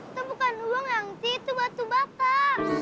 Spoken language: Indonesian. itu bukan uang yang itu batu bakar